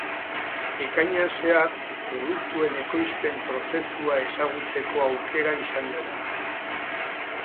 Ekainean zehar produktuen ekoizpen prozesua ezagutzeko aukera izango da.